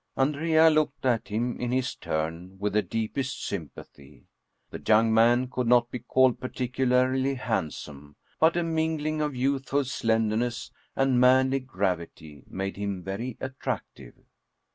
Andrea looked at him, in his turn, with the deepest sympathy. The young man could not be called particularly handsome, but a mingling of youthful slen derness and manly gravity made him very attractive.